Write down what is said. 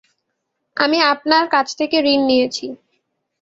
আমি আপনার কাছ থেকে ঋণ নিয়েছি।